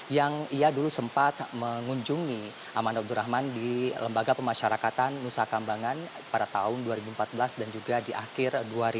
yang ia dulu sempat mengunjungi aman abdurrahman di lembaga pemasyarakatan nusa kambangan pada tahun dua ribu empat belas dan juga di akhir dua ribu delapan belas